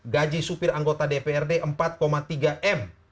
gaji supir anggota dprd empat tiga m